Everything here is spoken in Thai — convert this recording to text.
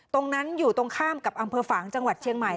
ตรงนั้นอยู่ตรงข้ามกับอำเภอฝางจังหวัดเชียงใหม่